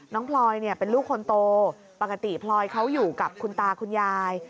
พลอยเป็นลูกคนโตปกติพลอยเขาอยู่กับคุณตาคุณยาย